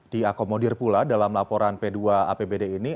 diakomodir pula dalam laporan p dua apbd ini